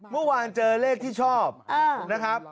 เมื่อวานเจอเลขที่ชอบนะครับ